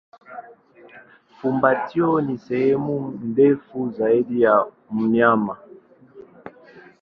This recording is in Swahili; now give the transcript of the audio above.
Fumbatio ni sehemu ndefu zaidi ya mnyama.